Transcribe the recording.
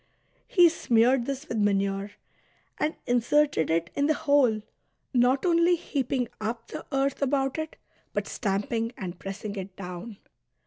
He smeared this with manure, and inserted it in the hole, not only heaping up the earth about it, but stamping and pressing it down.